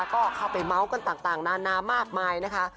ก็เข้าไปเมาส์กันต่างนานามากมายนะคะ